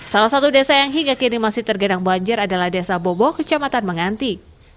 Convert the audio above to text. salah satu desa yang hingga kini masih tergenang banjir adalah desa bobo kecamatan menganti